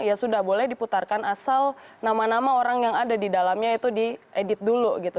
ya sudah boleh diputarkan asal nama nama orang yang ada di dalamnya itu diedit dulu gitu